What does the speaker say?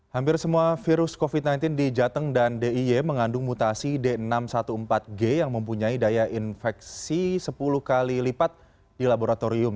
hampir semua virus covid sembilan belas di jateng dan d i y mengandung mutasi d enam ratus empat belas g yang mempunyai daya infeksi sepuluh kali lipat di laboratorium